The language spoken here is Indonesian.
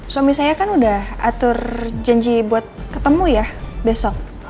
suami saya kan udah atur janji buat ketemu ya besok